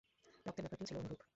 রক্তের ব্যাপারটিও ছিল অনুরূপ।